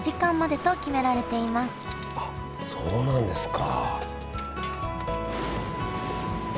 あっそうなんですか。